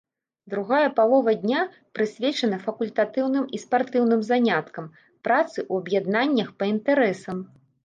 Другая палова дня прысвечана факультатыўным і спартыўным заняткам, працы ў аб'яднаннях па інтарэсам.